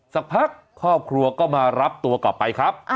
สักพักครอบครัวก็มารับตัวกลับไปครับ